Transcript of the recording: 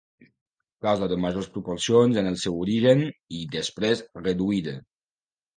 Casa de majors proporcions en el seu origen, i després reduïda.